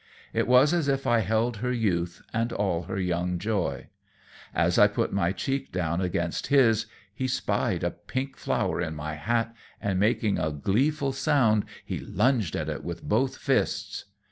It was as if I held her youth and all her young joy. As I put my cheek down against his, he spied a pink flower in my hat, and making a gleeful sound, he lunged at it with both fists.